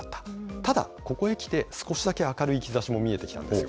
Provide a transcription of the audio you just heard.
ただここへきて、少しだけ明るい兆しも見えてきたんです。